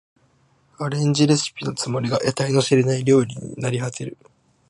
アレンジレシピのつもりが得体の知れない料理になりはてる